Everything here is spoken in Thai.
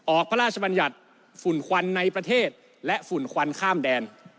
พระราชบัญญัติฝุ่นควันในประเทศและฝุ่นควันข้ามแดน